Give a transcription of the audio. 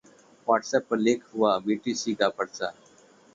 WhatsApp पर leak हुआ BTC का पर्चा